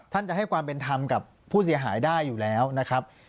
ท่านจะให้ความเป็นธรรมกับผู้เสียหายได้อยู่แล้วนะครับ